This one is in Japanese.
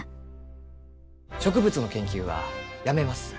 植物の研究はやめます。